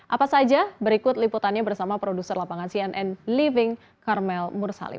apa saja berikut liputannya bersama produser lapangan cnn living karmel mursalim